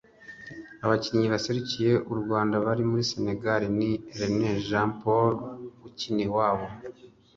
Abakinnyi baserukiye u Rwanda bari muri Sénégal ni René Jean Paul Ukiniwabo